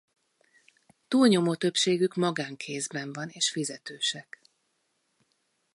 Túlnyomó többségük magán kézben van és fizetősek.